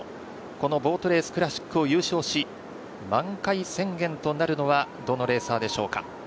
このボートレースクラシックを優勝し、満開制覇となるのはどのレーサーでしょうか。